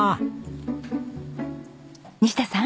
西田さん